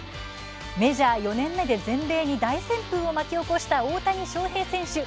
メジャー４年目で全米に大旋風を巻き起こした大谷翔平選手。